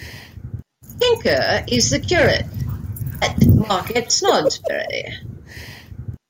Pinker is the curate at Market Snodsbury.